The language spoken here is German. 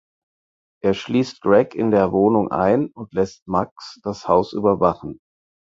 Er schließt Greg in der Wohnung ein und lässt Max das Haus überwachen.